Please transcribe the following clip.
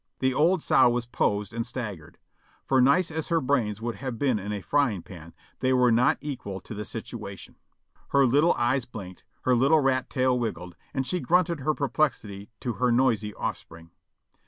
The old sow was posed and staggered, for nice as her brains would have been in a frying pan, they were not equal to the situation. Her little eyes blinked, her little rat tail wiggled, and she grunted her perplexity to her noisy offspring.